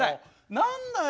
何だよ